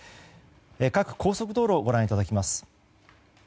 各高速道路をご覧いただきます。